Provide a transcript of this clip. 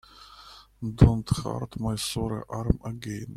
Don't hurt my sore arm again.